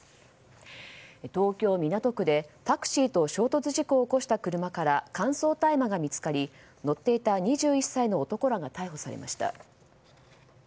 東京・港区でタクシーと衝突事故を起こした車から乾燥大麻が見つかり乗っていた２１歳の男らが逮捕されました。